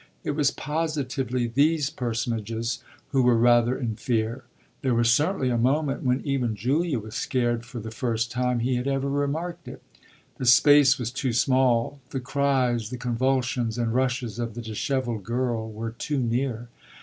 It was positively these personages who were rather in fear; there was certainly a moment when even Julia was scared for the first time he had ever remarked it. The space was too small, the cries, the convulsions and rushes of the dishevelled girl were too near.